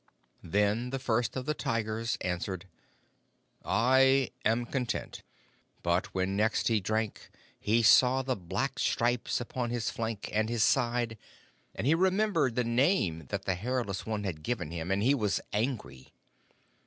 "Then the First of the Tigers answered, 'I am content'; but when next he drank he saw the black stripes upon his flank and his side, and he remembered the name that the Hairless One had given him, and he was angry.